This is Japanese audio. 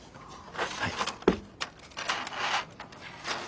はい。